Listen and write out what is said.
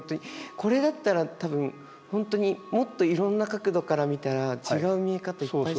これだったら多分本当にもっといろんな角度から見たら違う見え方いっぱいしそうですよね。